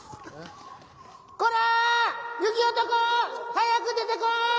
はやく出てこい！